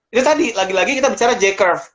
itu tadi lagi lagi kita bicara j curve